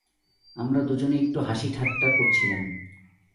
আমরা দুজনে একটু হাসি ঠাট্টা করছিলাম।